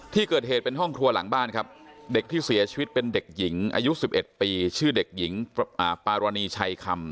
ที่เกิดเหตุเป็นห้องครัวหลังบ้านครับเด็กที่เสียชีวิตเป็นเด็กหญิงอายุ๑๑ปีชื่อเด็กหญิงปารณีชัยคำ